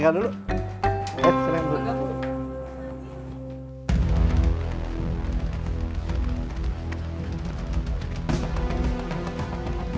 kalau siang biasanya sholat apa